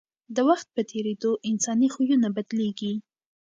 د وخت په تېرېدو انساني خویونه بدلېږي.